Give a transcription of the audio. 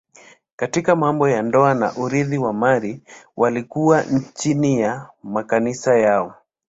Katika mambo ya ndoa au urithi wa mali walikuwa chini ya makanisa yao.